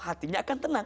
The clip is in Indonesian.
hatinya akan tenang